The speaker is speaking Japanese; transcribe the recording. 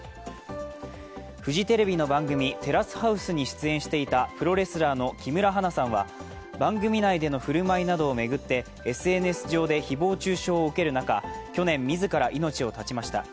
フジテレビの番組「テラスハウス」に出演していたプロレスラーの木村花さんは、番組内での振る舞いなどを巡ってＳＮＳ上で誹謗中傷を受ける中、去年、自ら命を絶ちました。